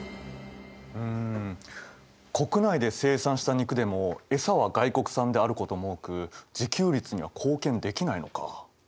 国内で生産した肉でも餌は外国産であることも多く自給率には貢献できないのか。